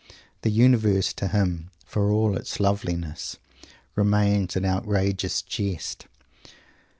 The universe to him, for all its loveliness, remains an outrageous jest.